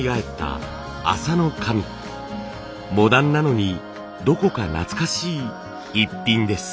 モダンなのにどこか懐かしいイッピンです。